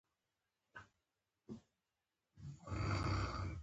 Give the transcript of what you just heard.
آیا د رومي بانجان کیچپ جوړیږي؟